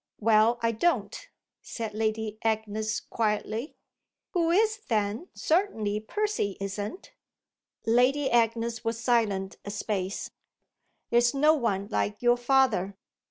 "Well, I don't," said Lady Agnes quietly. "Who is then? Certainly Percy isn't." Lady Agnes was silent a space. "There's no one like your father."